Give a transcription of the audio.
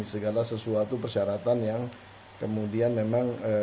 segala sesuatu persyaratan yang kemudian memang